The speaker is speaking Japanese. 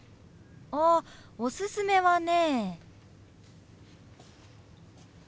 あっおすすめはね。